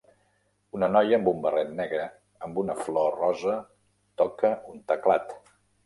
Una noia amb un barret negre amb una flor rosa toca un teclat.